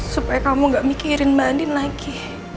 supaya kamu gak mikirin mbak andin lagi